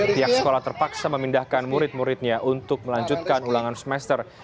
pihak sekolah terpaksa memindahkan murid muridnya untuk melanjutkan ulangan semester